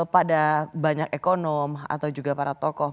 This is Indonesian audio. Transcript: pada banyak ekonom atau juga para tokoh